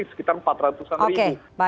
sekitar empat ratus ribu